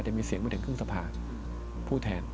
แต่มีเสียงไม่ถึงครึ่งสภาพ